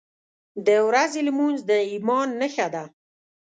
• د ورځې لمونځ د ایمان نښه ده.